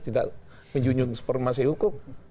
tidak menjunjung informasi hukum